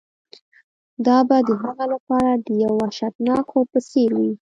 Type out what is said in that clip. دا به د هغه لپاره د یو وحشتناک خوب په څیر وي